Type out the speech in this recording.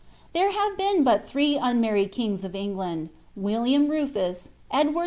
Tliere have been but Ihree unmarried kings of Enfilnnd, Willlona Rufus, Edward V.